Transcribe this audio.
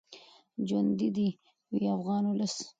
ژوندی دې وي افغان ولس.